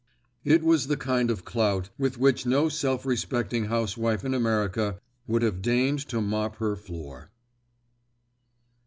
It was the kind of clout with which no self respecting housewife in America would have deigned to mop her floor.